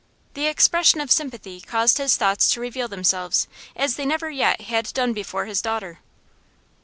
The expression of sympathy caused his thoughts to reveal themselves as they never yet had done before his daughter.